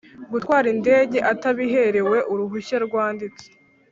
gutwara indege atabiherewe uruhushya rwanditse